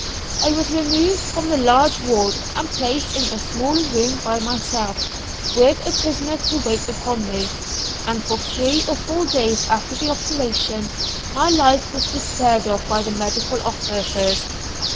I was removed from the large ward, and placed in a small room by myself, with a prisoner to wait upon me, and for three or four days after the operation my life was despaired of by the medical officers.